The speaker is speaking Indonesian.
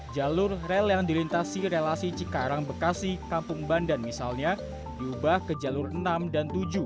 jalur rel yang dilintasi relasi cikarang bekasi kampung bandan misalnya diubah ke jalur enam dan tujuh